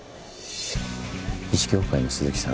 医師協会の鈴木さん